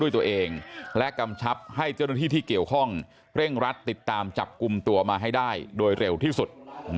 ตัวเองและกำชับให้เจ้าหน้าที่ที่เกี่ยวข้องเร่งรัดติดตามจับกลุ่มตัวมาให้ได้โดยเร็วที่สุด